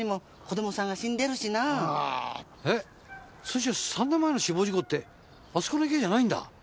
それじゃあ３年前の死亡事故ってあそこの池じゃないんだ？